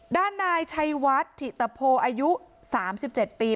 ด้านนายชัยวัฒน์ถิตโปอายุสามสิบเจ็ดปี